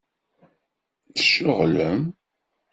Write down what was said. Tceɣlem?